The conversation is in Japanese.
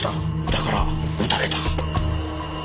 だから撃たれた。